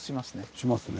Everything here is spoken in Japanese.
しますね。